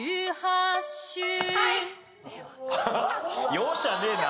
容赦ねえな。